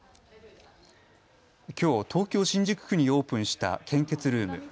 きょう東京新宿区にオープンした献血ルーム。